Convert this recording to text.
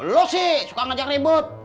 lo sih suka ngajak ribut